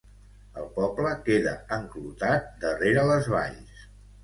El poble queda enclotat darrere les valls